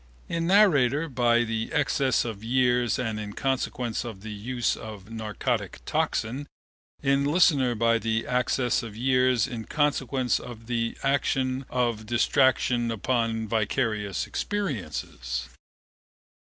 In narrator by the access of years and in consequence of the use of narcotic toxin: in listener by the access of years and in consequence of the action of distraction upon vicarious experiences.